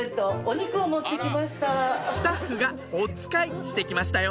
スタッフがおつかいして来ましたよ